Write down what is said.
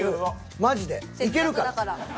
マジでいけるから。